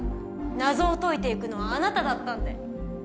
謎を解いて行くのはあなただったんで。